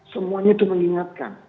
semuanya itu mengingatkan